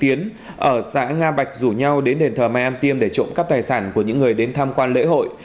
yến ở xã nga bạch rủ nhau đến đền thờ mai an tiêm để trộm cắp tài sản của những người đến tham quan lễ hội